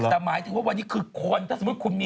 แต่ไม้ถือว่าวันนี้คือคน